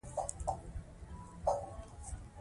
په فونېم کې بیا توپیر لري.